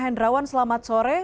hendrawan selamat sore